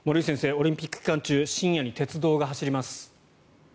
オリンピック期間中深夜に鉄道が走ります。